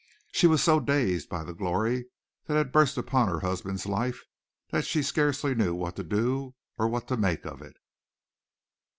She was so dazed by the glory that had burst upon her husband's life that she scarcely knew what to do or what to make of it.